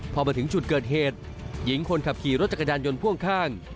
พอมาถึงจุดเกิดเหตุหญิงคนขับขี่รถจักรยานยนต์พ่วงข้าง